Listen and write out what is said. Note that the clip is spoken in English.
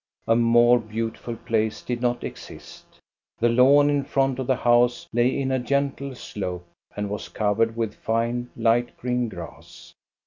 A more beautiful place did not exist The lawn in front of the house lay in a gentle slope and was covered with fine, light green grass.